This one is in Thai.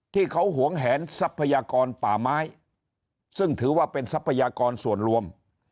ห่วงแหนทรัพยากรป่าไม้ซึ่งถือว่าเป็นทรัพยากรส่วนรวม